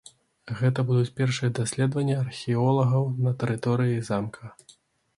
Гэта будуць першыя даследаванні археолагаў на тэрыторыі замка.